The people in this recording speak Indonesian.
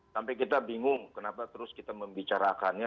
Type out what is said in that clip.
sampai kita bingung kenapa terus kita membicarakannya